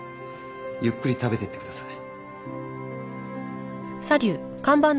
ゆっくり食べてってください。